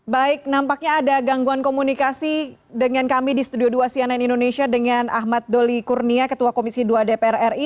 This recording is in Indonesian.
baik nampaknya ada gangguan komunikasi dengan kami di studio dua cnn indonesia dengan ahmad doli kurnia ketua komisi dua dpr ri